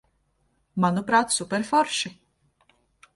Manuprāt, superforši.